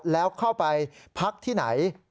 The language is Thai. แล้วเข้าไปพักที่ไหน